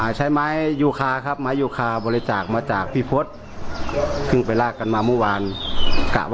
ความสูงความเกาะ๙๐เซนความสูง๖๐เซนยาว๑๘๐เซนเนี้ยครับ